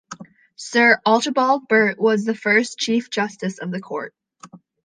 Sir Archibald Burt was the first Chief Justice of the court.